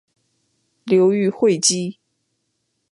流寓会稽。